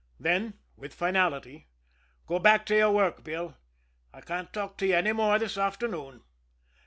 Then, with finality: "Go back to your work, Bill I can't talk to you any more this afternoon."